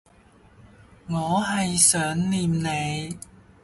我係想念你